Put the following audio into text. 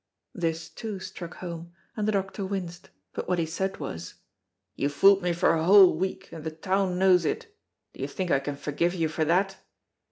This, too, struck home, and the doctor winced, but what he said was, "You fooled me for a whole week, and the town knows it; do you think I can forgive you for that?"